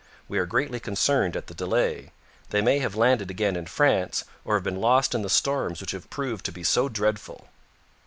We are greatly concerned at the delay. They may have landed again in France, or have been lost in the storms which have proved to be so dreadful.'